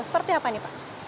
seperti apa nih pak